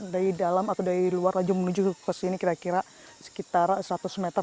dari dalam atau dari luar laju menuju ke sini kira kira sekitar seratus meter